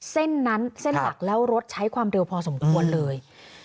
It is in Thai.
เส้นนั้นเส้นหลักแล้วรถใช้ความเร็วพอสมควรเลย